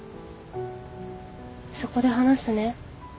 そこで話すね。